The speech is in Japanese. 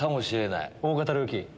大型ルーキー。